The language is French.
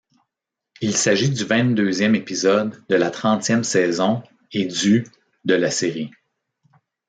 Il s'agit du vingt-deuxième épisode de la trentième saison et du de la série.